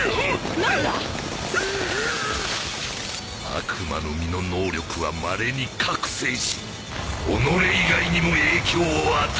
悪魔の実の能力はまれに覚醒し己以外にも影響を与え始める。